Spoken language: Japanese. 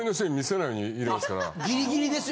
ギリギリですよ。